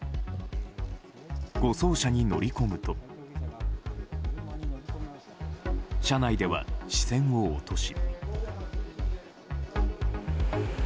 護送車に乗り込むと車内では視線を落とし。